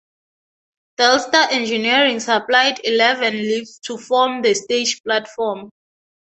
Delstar Engineering supplied eleven lifts to form the stage platform.